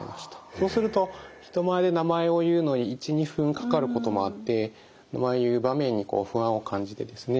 そうすると人前で名前を言うのに１２分かかることもあって言う場面に不安を感じてですね